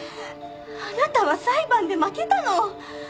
あなたは裁判で負けたの。